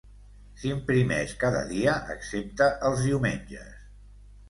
S'imprimeix cada dia, excepte els diumenges.